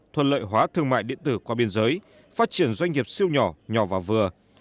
thuận lợi hóa thương mại điện tử qua biên giới phát triển doanh nghiệp siêu nhỏ nhỏ và vừa